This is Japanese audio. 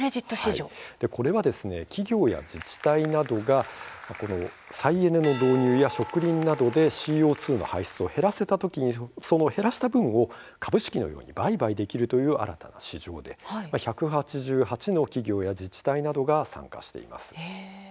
これは、企業や自治体などが再エネの導入や植林などでＣＯ２の排出を減らせたら減らせた分を株式のように売買できるという新たな市場で１８８の企業や自治体などが参加しています。